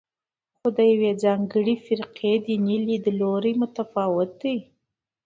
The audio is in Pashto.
خو د یوې ځانګړې فرقې دیني لیدلوری متفاوت دی.